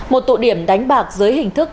một tụ điểm đánh bạc dưới hình thức